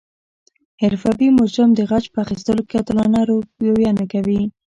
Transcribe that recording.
حرفوي مجرم د غچ په اخستلو کې عادلانه رویه نه کوي